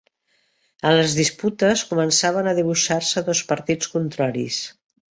En les disputes començaven a dibuixar-se dos partits contraris.